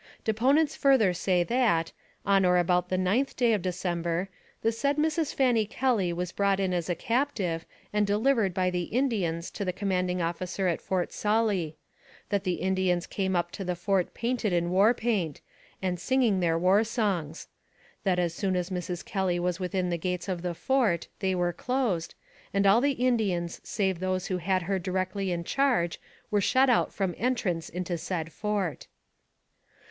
Deponents further say that, on or about the 9th day of December, the said Mrs. Fanny Kelly was brought in as a captive and delivered by the Indians to the commanding officer at Fort Sully; that the Indians came up to the fort painted in war paint, and singing their war songs; that as soon as Mrs. Kelly was within the gates of the fort, they were closed, and all the Indians save those who had her directly in charge were shut out from entrance into said fort.